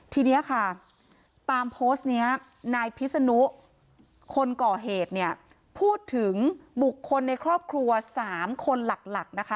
ทีนี้ค่ะตามโพสต์นี้นายพิษนุคนก่อเหตุเนี่ยพูดถึงบุคคลในครอบครัว๓คนหลักนะคะ